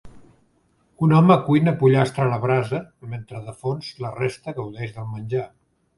Un home cuina pollastre a la brasa, mentre de fons la resta gaudeix del menjar.